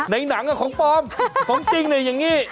ในหนังของปลอมของจริงเนี่ยอย่างนี้